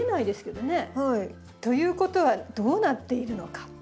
ということはどうなっているのか？